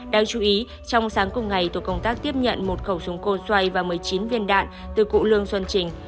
đáng chú ý trong sáng cùng ngày tổ công tác tiếp nhận một khẩu súng cô xoay và một mươi chín viên đạn từ cụ lương xuân trình